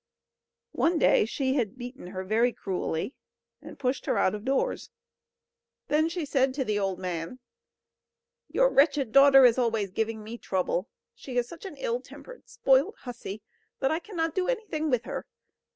One day she had beaten her very cruelly, and pushed her out of doors; then she said to the old man: "Your wretched daughter is always giving me trouble; she is such an ill tempered, spoilt hussy, that I cannot do anything with her.